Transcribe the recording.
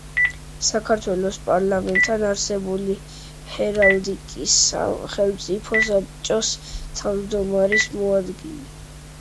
საქართველოს პარლამენტთან არსებული ჰერალდიკის სახელმწიფო საბჭოს თავმჯდომარის მოადგილე.